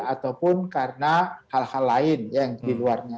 ataupun karena hal hal lain yang di luarnya